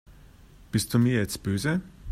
Bist du mir jetzt böse?